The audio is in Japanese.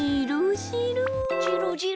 じろじろ。